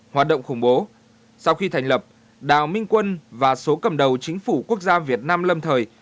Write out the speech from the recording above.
hoạt động khủng bố sau khi thành lập đào minh quân và số cầm đầu chính phủ quốc gia việt nam lâm thời